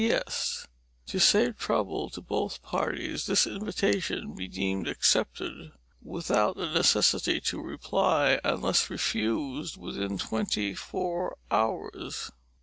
P.S. To save trouble to both parties, this invitation be deemed accepted, without the necessity to reply, unless refused within twenty four hours.